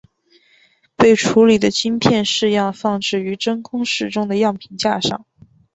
被处理的晶片试样放置于真空室中的样品架上。